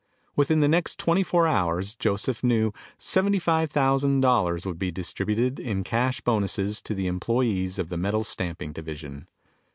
Within the next twenty four hours, Joseph knew, seventy five thousand dollars would be distributed in cash bonuses to the employees of the metal stamping division.